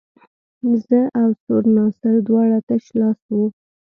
زه او سور ناصر دواړه تش لاس وو.